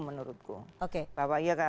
menurutku oke bahwa